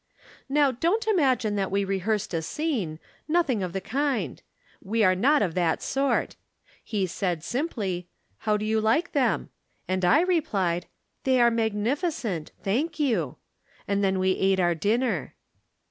Now don't imagine that we rehearsed a scene. Nothing of the kind. We 320 From Different Standpoints. are not of that sort. He said, simply :" How do you like them ?" and I replied, " They are mag nificent ! Thank you." And then we ate our dinner.